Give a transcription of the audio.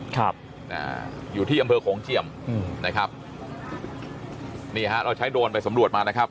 ครับอ่าอยู่ที่อำเภอโขงเจียมอืมนะครับนี่ฮะเราใช้โดรนไปสำรวจมานะครับ